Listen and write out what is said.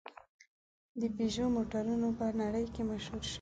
د پيژو موټرونه په نړۍ کې مشهور شوي.